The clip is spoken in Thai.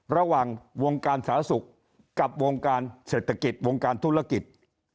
ระหว่างวงการสาธารณสุขกับวงการเศรษฐกิจวงการธุรกิจ